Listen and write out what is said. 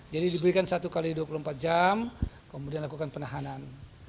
jadi diberikan satu x dua puluh empat jam kemudian lakukan penahanan